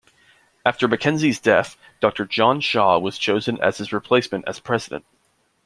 After MacKenzie's death, Doctor John Shaw was chosen as his replacement as president.